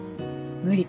無理。